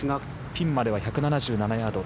ピンまでは１７７ヤード。